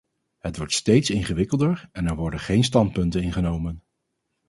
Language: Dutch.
Het wordt steeds ingewikkelder en er worden geen standpunten ingenomen.